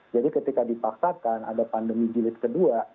jadi ketika dipaksakan ada pandemi gilis kedua